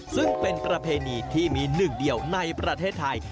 ซึ่งเป็นประเพณีที่มีหนึ่งเดียวในประเทศไทย